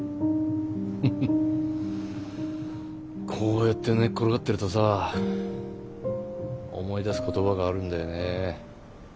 フフッこうやって寝っ転がってるとさ思い出す言葉があるんだよねえ。